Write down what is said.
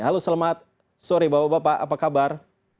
halo selamat sore bapak bapak apa kabar